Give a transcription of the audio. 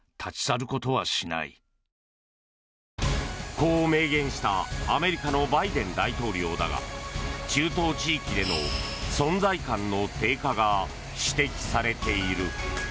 こう明言したアメリカのバイデン大統領だが中東地域での存在感の低下が指摘されている。